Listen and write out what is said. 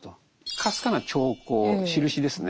かすかな兆候しるしですね